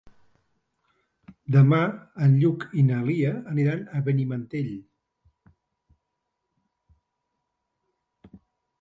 Demà en Lluc i na Lia aniran a Benimantell.